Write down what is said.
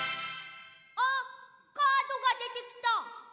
あっカードがでてきた。